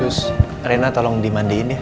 terus rena tolong dimandiin ya